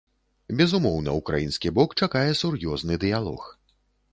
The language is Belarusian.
Безумоўна, украінскі бок чакае сур'ёзны дыялог.